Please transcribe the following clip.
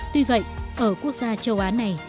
tuy vậy ở quốc gia châu á này